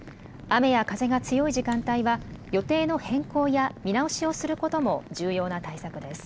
雨や風が強い時間帯は予定の変更や見直しをすることも重要な対策です。